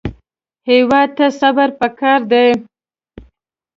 هېواد ته صبر پکار دی